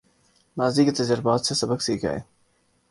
ماضی کے تجربات سے سبق سیکھا ہے